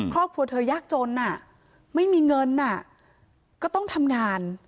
ครอบครัวเธอยากจนไม่มีเงินก็ต้องทำงาน